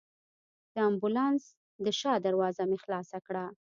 د امبولانس د شا دروازه مې خلاصه کړل.